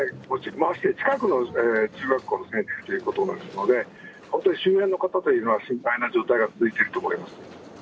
まして近くの中学校の先生ということなので、本当に周辺の方というのは心配な状態が続いていると思います。